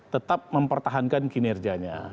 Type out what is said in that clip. tetap mempertahankan kinerjanya